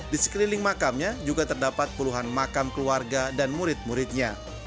di sekeliling makamnya juga terdapat puluhan makam keluarga dan murid muridnya